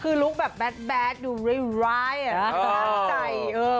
คือลูกแบบแบ๊ดดูร้ายล้างใจ